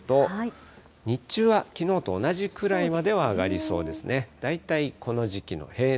最高気温を見ますと、日中はきのうと同じくらいまでは上がりそうですね。